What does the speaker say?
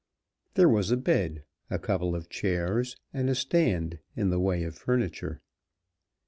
There was a bed, a couple of chairs, and a stand, in the way of furniture.